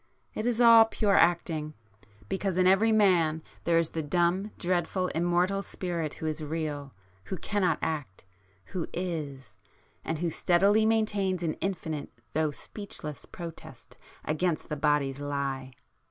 —it is all pure acting,—because in every man there is the dumb dreadful immortal Spirit who is real,—who cannot act,—who Is,—and who steadily maintains an infinite though speechless protest against the body's Lie!"